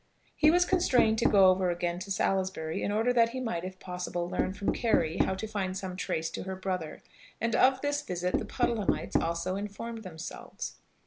He was constrained to go over again to Salisbury in order that he might, if possible, learn from Carry how to find some trace to her brother, and of this visit the Puddlehamites also informed themselves.